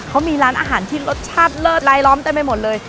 เขามีร้านอาหารที่รสชาติเลิศรายล้อมเต็มไปหมดเลย